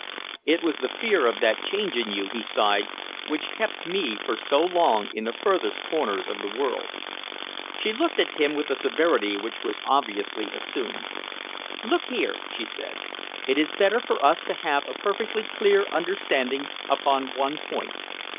"It was the fear of that change in you," he sighed, "which kept me for so long in the furthest corners of the world." She looked at him with a severity which was obviously assumed. "Look here," she said, "it is better for us to have a perfectly clear understanding upon one point.